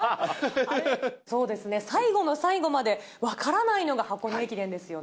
そうですね、最後の最後まで分からないというのが箱根駅伝ですよね。